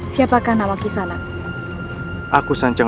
siapakah nama kisanak aku sanceng